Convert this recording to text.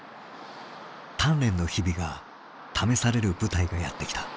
鍛錬の日々が試される舞台がやって来た。